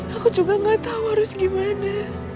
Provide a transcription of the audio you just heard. aku juga gak tahu harus gimana